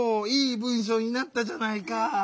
いい文しょうになったじゃないか。